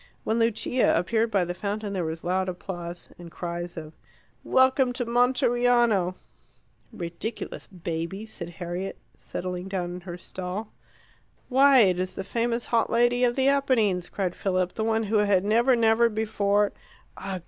When Lucia appeared by the fountain there was loud applause, and cries of "Welcome to Monteriano!" "Ridiculous babies!" said Harriet, settling down in her stall. "Why, it is the famous hot lady of the Apennines," cried Philip; "the one who had never, never before " "Ugh!